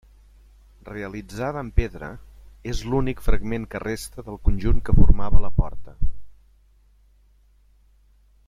Realitzada en pedra, és l'únic fragment que resta del conjunt que formava la porta.